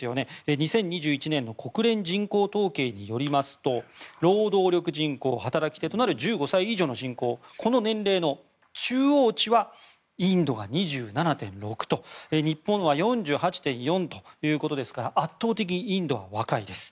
２０２１年の国連人口統計によりますと労働力人口働き手となる１５歳以上の人口この年齢の中央値はインドが２７．６と日本は４８．４ということですから圧倒的にインドは若いです。